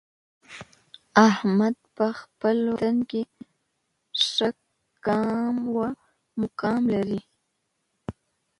احمد په خپل وطن کې ښه قام او مقام لري.